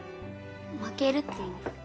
「負ける」って意味